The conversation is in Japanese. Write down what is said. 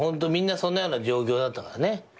みんなそんなような状況だったからね。